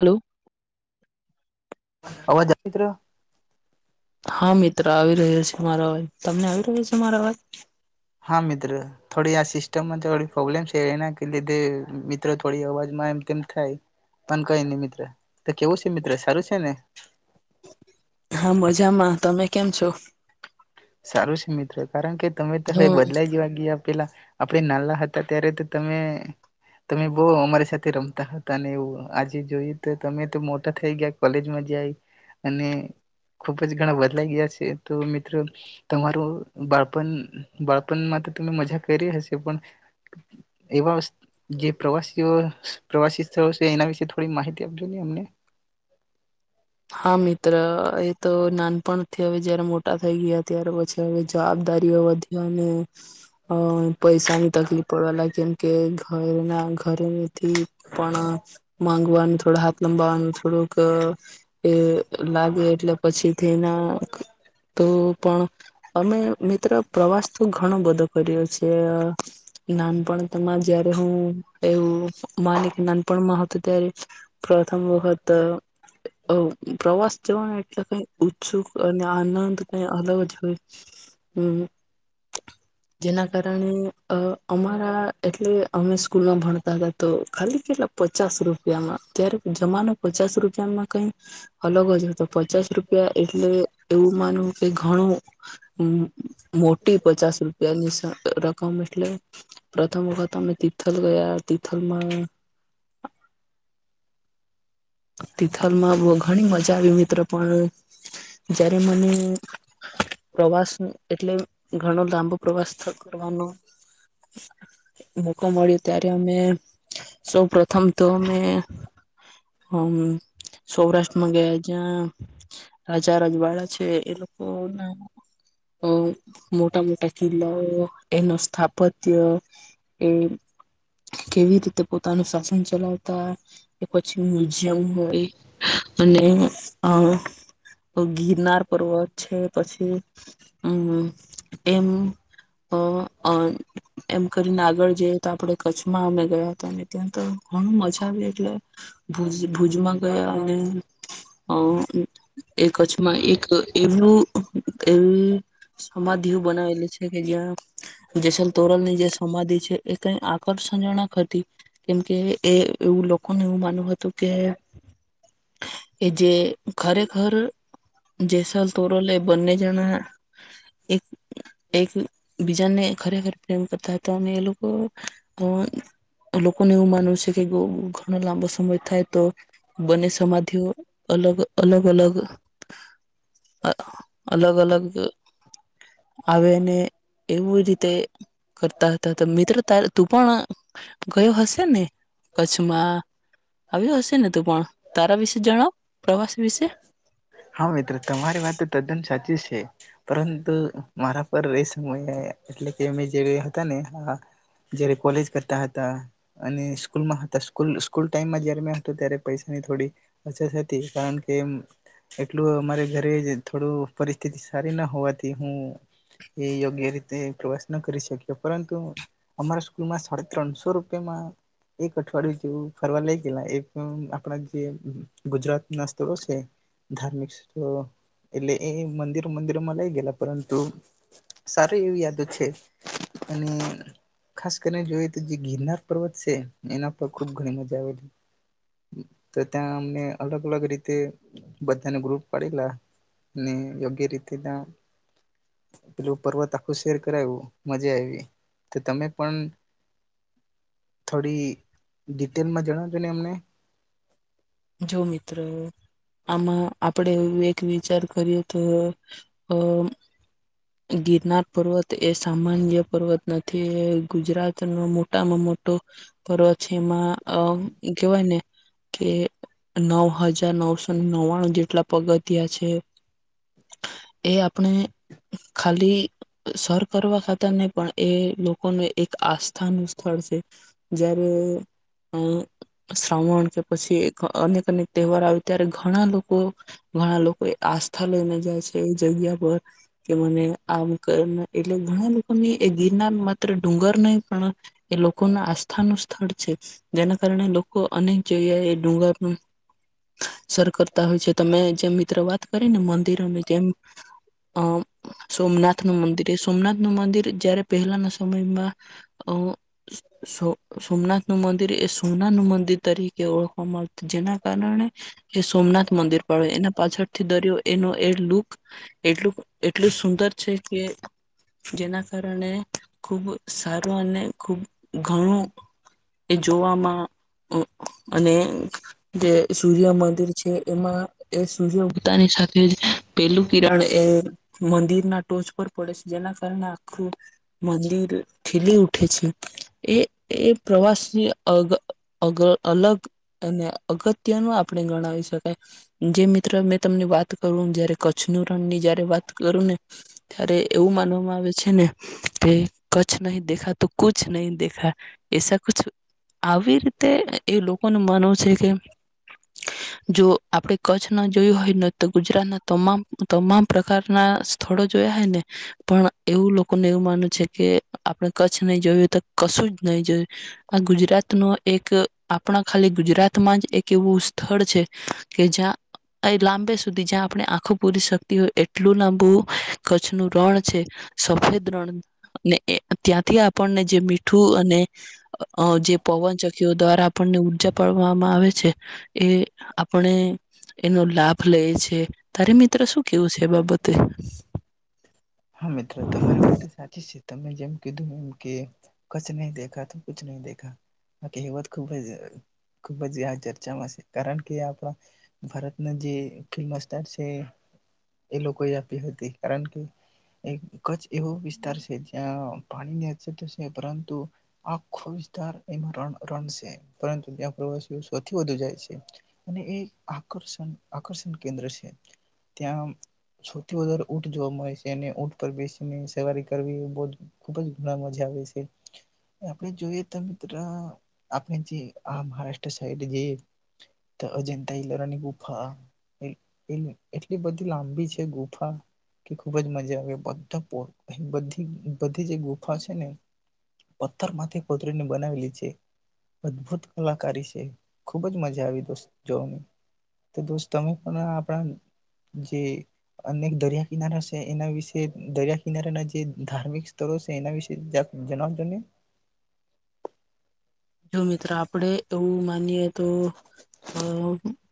Hello. અવાજ મિત્ર હા મિત્ર આવી રહ્યો છે. તમારો અવાજ તમને આવી રહ્યો છે મારા અવાજ. હા, મિત્ર. થોડી સિસ્ટમમાં પ્રોબ્લેમ છે એના લીધે મિત્રો થોડી અવાજમાં એમ કેમ થાય. પણ કઈ નને. મિત્ર તો કેવું છે. મિત્ર સારું છે ને. હા, મજામાં. તમે? કેમ છો? સારું છે, મિત્ર. કારણ કે તમે તો હવે હમ બદલા જવા ગયા. પેલા. આપણે નાના હતા ત્યારે તો તમે તમે બહુ અમારી સાથે રમતા હતા. અને એ આજે જોયએ તો તમે તો મોટા થઈ ગયા, કોલેજમાં જાય અને ખુબ જ ઘણા બદલાઈ ગયા છે, તો મિત્રો. તમારું બાળપણ બાળપણમાં તો તમે મજા કરી હશે. પણ એવા જે પ્રવાસીઓ પ્રવાસી સ્થળો છે એના વિશે થોડી માહિતી આપજો. નહીં અમને. હા, મિત્ર. તો નાનપણથી હવે જયારે મોટા થઈ ગયા ત્યારે પછી હવે જવાબદારીઓ વધી અને એ પૈસાની તકલીફ પડવા લાગી. કેમ કે ઘરના ઘરેથી પણ માંગવાનું થોડું હાથ લંબાવવાનું થોડુંક. એ. લાગે એટલે પછી. તેના. તો પણ અમે મિત્ર પ્રવાસ તો ઘણો બધો. કર્યો છે. નાનપણમાં જયારે હું એવું માની કે નાનપણમાં હતું ત્યારે પ્રથમ વખત. અ પ્રવાસ જવાનો એટલે કંઈ ઉત્સુક અને આનંદ કંઈ અલગ જ હોય. હમ. જેના કારણે. અ અમારા એટલે અમે સ્કૂલમાં ભણતા હતા. તો ખાલી કેટલા પચાસ રૂપિયામાં ત્યારે. જમાનો પચાસ રૂપિયામાં કંઈ. અલગ હો જ તો પચાસ રૂપિયા એટલે એવું માનું. કે ઘણું મોટી પચાસ રૂપિયાની રકમ એટલે પ્રથમ વખત અમે તિથલ ગયા. તિથલમાં. તિથલમાં બહુ ઘણી મજા. વિચાર્યું મિત્ર પણ. જયારે મને પ્રવાસ એટલે ઘણો લાંબો પ્રવાસ. કરવાનું. મોકો મળ્યો ત્યારે અમે સૌ પ્રથમ તો અમે. હું સૌરાષ્ટ્ર માં ગયા, જ્યાં. રાજા રજવાળા છે એ લોકો. બ ના [unintelligible] અ મોટા મોટા કિલ્લા. એનું સ્થાપત્ય એ કેવી રીતે પોતાનું શાસન ચલાવતા એ પછી. મ્યુઝિયમ હોય અને અ ગિરનાર પર્વત છે. પછી અમ એમ એમ કરીને આગળ જઈ. તો આપણે કચ્છમાં અમે ગયા હતા અને ત્યાં તો ઘણું મજા આવી, એટલે. ભ ભુજમાં ગયા અને અ એ કચ્છમાં એક એલું એ. સમાધિઓ બનાવેલી છે. કે જ્યાં જેસલ તોરલ ની જે સમાધિ છે એ કઈ આકર્ષણજનક હતી કેમકે એ એવું લોકોને એવું માનવુ હતું. કે એ જે ખરેખર જેસલ તોરલ એ બંને જણા એક-એક બીજાને ખરેખર પ્રેમ કરતા તો એ લોકો લોકોને એવું માનવું છે કે ઘણા લાંબો સમય થાય તો બંને સમાધિઓ અલગ-અલગ-અલગ અલગ-અલગ આવેને એવું રીતે કરતા હતા મિત્ર તારે તું પણ ગયો હશે ને કચ્છમાં આવ્યો હશે ને તું પણ તારા વિશે જણાવ પ્રવાસ વિશે હા મિત્ર તમારી વાત તો તદ્દન સાચી છે. પરંતુ મારા પર એ સમય એટલે કે મે જે હતા ને જારે કોલેજ કરતા હતા અને સ્કૂલમાં હતા ટાઈમમાં જારે મે ત્યારે પૈસાની થોડી અછત હતી કારણ કે એટલું અમારે ઘરે થોડું પરિસ્થિતિ સારી ના હોવાથી હું એ યોગ્ય રીતે પ્રવાસ ન કરી શક્યો પરંતુ અમારા સ્કૂલમાં સાડા ત્રણસો રૂપિયામાં એક અઠવાડિયું જેવું ફરવા લઈ ગયેલા એ આપણા જે ગુજરાત ના સ્થળો છે ધાર્મિક સ્ એટલે એ મંદિરો મંદિરોમાં લઈ ગયલા પરંતુ સાર એવી યાદો છે અને ખાસ કરીને જોઈએ તો જે ગિરનાર પર્વત છે એના પર ખુબ ઘણી મજા આવેલી તો ત્યાં અમને અલગ અલગ રીતે બધાને ગ્રુપ પાડેલા યોગ્ય રીતે ત્યાં પેલું પર્વત આખું શેર કરાવું મજા આવી તો તમે પણ થોડી ડિટેલમાં જણાવજો ને અમને જો મિત્ર આમાં આપણે એક વિચાર કરીએ તો અ ગિરનાર પર્વત તો એ સામાન્ય પર્વત નથી એ ગુજરાતનો મોટામાં મોટો કર છે એમાં અ એકે ભને કે [inaudible] નવ હજાર નવસો નવ્વાણું જેટલા પગથિયા છે એ આપણે ખાલી સર કરવા ખાતા નહી પણ એ લોકોનું એક આસ્થાનું સ્થળ છે જયારે અ શ્રાવણ કે પછી ક તહેવાર આવે ત્યારે ઘણા લોકો ઘણા લોકો એ આસ્થા લઈને જાય છે એ જગ્યા પર કે મને આમ કર એટલે ઘણા લોકોને એ ગીરના મા ડુંગર નહીં પણ એ લોકો ના આસ્થા ન થર્ડ છે જેના કારણે લોકો અને ચયા એ ડુંગા હું સર કરતા હોય છે તમે જેમ મિત્ર વાત કરી ને મંદિર અને જે અ સોમનાથ નું મંદિર એ સોમનાથ નું મંદિર જયારે પહેલાના તમાં અ સો સોમનાથ નું મંદિર એ સોના નું મંદિર તરીકે ઓળખવામાં આવત જેના કારણે એ સોમનાથ મંદિર પાડ્યું એના પાછળ થી દરિયો એનો એ લુક એટલું એટલું સુંદર છે કે જેના કારણે ખુબ સારું અને ખૂબ ઘણું એ જોવામાં અને જે સૂર્ય મંદિર છે એમાં એ સૂર્ય ઉગતાની સાથે જ પેલું કિરણ એ મંદિર ના ટોચ પર પડે છે જેના કારણે આખું મંદિર ખલી ઉઠ ઉઠે છે એ એ પ્રવાસ ની અ અગ અલગ અને અગત્ય ન આપણે ગણાવી શકાય જે મિત્ર મેં તમને વાત કરું જય કચ્છનું રણની જયારે વાત કરું ને ત્યારે એવું માનવામાં આવે છે ને કે કચ્છ નહી દેખા તો કછ નહીિ દેખા એસક આવી રીતે એ લોકોનું માનવું છે કે [inaudible] જો આપડે કચ્છ ન જોયું હોય તો ગુજરાતના તમામ તમામ પ્રકારના સ્થળો જોયા હય ને પણ એવું લોકોને એવું માનું છે કે આપણે કચ્છ નહી જોયું તો કશું જ નહીં જોયું આ ગુજરાત ન એક આપણા ખાલી ગુજરાતમાં જ એક એવું સ્થળ છે કે જ્યાં અ લાંબે સુધી જ્યાં આપણે આખું પુષો એટલું લાંબુ કચ્છ નું રણ છે સફેદ રણ અને ત્યાંથી આપણને જે મીઠું અને જે પવન ચકીઓ દ્વારા આપણને ઉર્જા પાડવામાં આવે છે છે એ આપણે એનો લાભ લઈએ છે તારે મિત્ર શું કેવું છે એ બાબતે હા મિત્રો તમારી વાત સાચી છે તમે જેમ કીધું એમ કે કછ નહી દેખા તો ક નહી દેખા બાકીત ખુબ જ ખુબ જ ચર્ચામાં છે કારણ કે ભારતના જે ફમ સ્ છે એ લોકોએ આપી હતી કારણ કે કચ્છ એવો વિસ્તાર છે જ્યાં પાણીની અછત છે પરંતુ આખો વિસ્તાર એમાં રણ છે પરંતુ ત્યાં પ્રવાસીઓ સૌથી વધુ જાય છે આકર્ષણ કેન્દ્ર છે ત્યાં સૌથી વધારે ઊંટ જોવા મળે છે અને ટ પર બેસીને સવારી કરવી બ ખુબ જ ઘણા મજા આવે છે આપણે જોઈએ તો મિત્ર આપણે જે આ મહારાષ્ટ્ર સા જે અજતાલરાની ગુફા એટલી બધી લાંબી છે ગુફા કે ખુબ જ મજા આવે બધા બધ બધી જે ગુફા છે ને પથ્થર માંથી કોતરીને બનાવેલી છે અદભુત કલાકારી છે ખુબ જ મજા આવી દોસ્ જોને તો દોસ્ તમે પણ આપણા જે અનેક દરિયા કિનારા છે એના વિશે દરિયા કિનારાના જે ધાર્મિક સ્થળો છે એના વિશે જણાવજો ને જો મિત્રો આપડે એવું માનીએ તો અ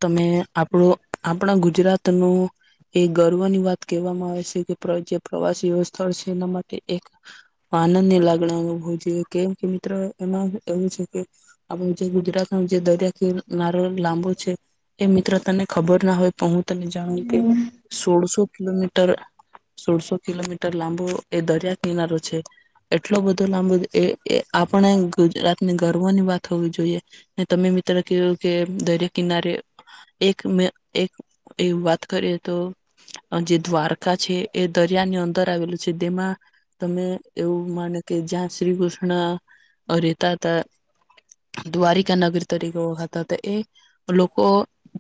તમે આપણો આપણા ગુજરાતનું એ ગર્વ ની વાત કહેવામાં આવે છે કે જે પ્રવાસીઓ સ્થળ છે એના માટે એક આનંદ ની લાગણી અનુભવ જોઈ કેમ કે મિત્રો એમાં એવું છે કે આપણું જે ગુજરાત ન જે દરિયા કિનારો લાંબો છે એ મિત્ર તને ખબર ના હોય પહંચલી જાઉ કે ોળશો કિલોમીટર ોળશો કિલોમીટર લાંબો એ દરિયા કિના ર એટલો બધો લાંબુ આપણે ગુજરાત ગર્વ ની વાત હોવી જોઈએ તમે મિત્ર કું કે દરિયા કિનારે એક મે એક એ વાત કરીએ તો જે દ્વારકા છે એ દરિયાની અંદર આવેલું છે તેમાં તમે એવું માને કે જ્યાં શ્રી કૃષ્ણ ણ, અરે તરતા. દ્વારિકા નગરી તરીકે ઓળખાતા હતા એ લોકો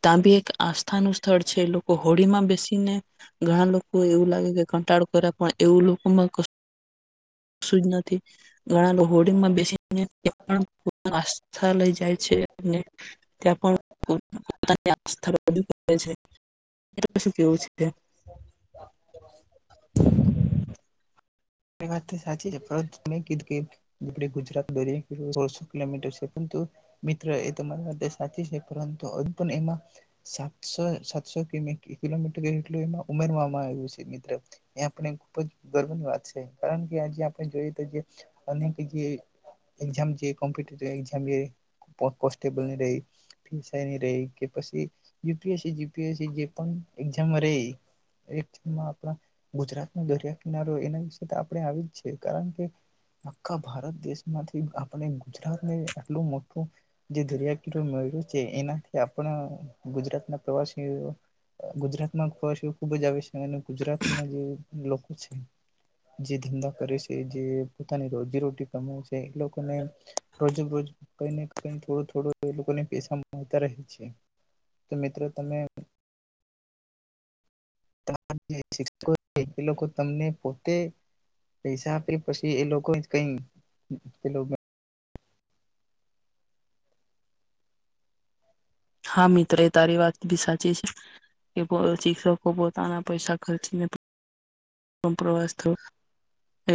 તાંબી એક આસ્થાનું સ્થળ છે. એ લોકો હોળી માં બેસીને ઘણા લોકો એવું લાગે કે કંટાળો કર્યા પણ એવું લોકોમાં [unintelligible] જ નથી. ઘણા લોક હોડીમાં બેસીન [inaudible] આસ્થા લઈ જાય છે અને ત્યાં પણ પોતપોતા [unintelligible] [inaudible] એ વાત તો સાચી છે પરંતુ મે કીધું કે ગુજરાત દરિયો સોળસો કિલોમીટર છે, પરંતુ મિત્ર એ તમારી વાત સાચી છે પરંતુ હજુ પણ એમાં સાતસો સાતસો કિલોમીટર એટલું એ ઉમેરવામાં આવ્યું છે મિત્ર એ આપ ખુબ જ ગર્વની વાત છે. કારણ કે આજે આપણે જોઈએ તો જે અનેક એવી એકઝામ છે, કોમ્પિટિટીવ એકઝામ જે. પોસ્ટ [unintelligible] ની રહી, પી એસ આઈ ની રહિ, કે પછી U P S C, G P S C. જે પણ એક્ઝામ રહી એમાં આપણ ગુજરાત દરિયા કિનારો એના આપણે આવી જ છે. કારણ કે આખા ભારત દેશમાંથી આપણે ગુજરાતને આટલું મોટું જે દરિયા કિનારુ મળ્યું છે, એનાથી આપણા ગુજરાત ના પ્રવાસીઓ ગુજરાતમાં પ્રવાસીઓ ખુબ જ આવે છે અને ગુજરાતના જે લોકો છે જે ધંધા કરે છે, જે પોતાની રોજીરોટી કમા છે એ લોકોને રોજબજ કઈ ને કઈ થોડું થોડું એ લોકોને પૈસા મળતા રહે છે. તો મિત્ર તમે તમારા જે શિક્ષકો એ લોકો તમને પોતે પૈસા આપે પછી એ લોકો કઈ એ લોકો હા મિત્ર એ તારી વાત ભી સાચી છે. કે શિક્ષકો પોતાના પૈસા ખર્ચીને પ્રવાસ તો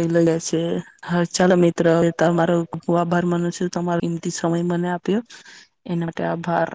એ લઇ જાય છે. હા ચાલો મિત ત્ર, તમારો ખુબ ખુબ આભાર માનું છું. તમારો કિંમતી સમય મને આપ્યો એના માટે આભાર.